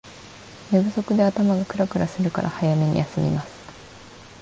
寝不足で頭がクラクラするから早めに休みます